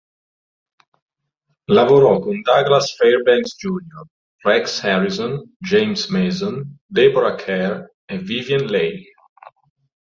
Lavorò con Douglas Fairbanks Jr., Rex Harrison, James Mason, Deborah Kerr e Vivien Leigh.